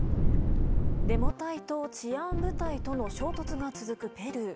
デモ隊と治安部隊との衝突が続くペルー。